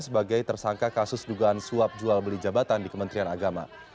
sebagai tersangka kasus dugaan suap jual beli jabatan di kementerian agama